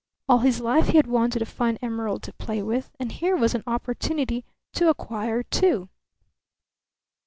All his life he had wanted a fine emerald to play with, and here was an opportunity to acquire two!